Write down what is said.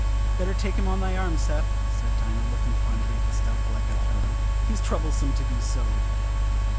"Better take him on thy arm, Seth," said Dinah, looking fondly at the stout black eyed fellow. "He's troublesome to thee so."